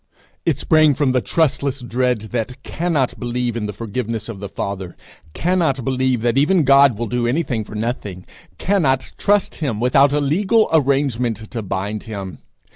It sprang from the trustless dread that cannot believe in the forgiveness of the Father; cannot believe that even God will do anything for nothing; cannot trust him without a legal arrangement to bind him.